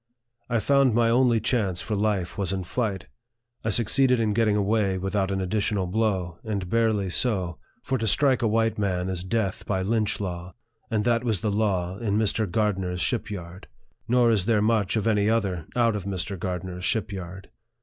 I found my only chance for life was in flight. I succeeded in getting away without an additional blow, and barely so ; for to strike a white man is death by Lynch law, and that was the law in Mr. Gardner's ship yard ; nor is there much of any other out of Mr. Gardner's ship yard.